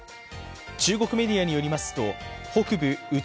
中国メディアによりますと北部内